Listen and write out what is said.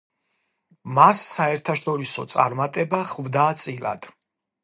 მას საერთაშორისო წარმატება ხვდა წილად.